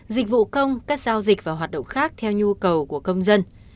dịch vụ công các giao dịch và hoạt động khác theo nhu cầu của công dân